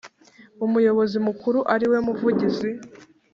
Umuyobozi mukuru ariwe Muvugizi